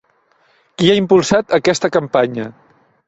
Qui ha impulsat aquesta campanya?